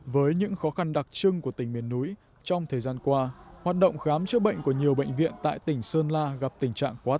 với những khó khăn đặc trưng của tỉnh miền núi trong thời gian qua hoạt động khám chữa bệnh của nhiều bệnh viện tại tỉnh sơn la gặp tình trạng quá tải